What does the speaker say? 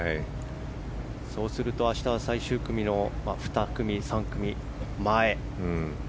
そうすると明日は最終組の２組、３組前。